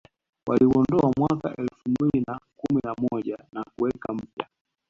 Waliuondoa mwaka elfu mbili na kumi na moja na kuweka mpya